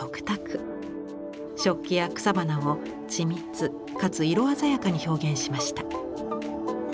食器や草花を緻密かつ色鮮やかに表現しました。